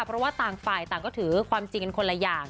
เพราะว่าต่างฝ่ายต่างก็ถือความจริงกันคนละอย่าง